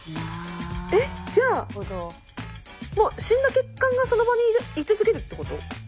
えじゃあもう死んだ血管がその場に居続けるってこと？